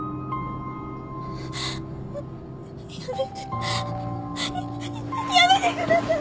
やめてやめてください！